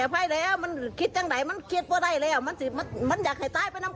เพราะแม่จังสัตว์นั้นมันเสียความอุตสึกประสานทอง